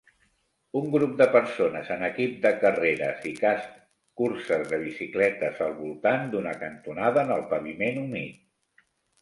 Un grup de persones en equip de carreres i cascs curses de bicicletes al voltant d'una cantonada en el paviment humit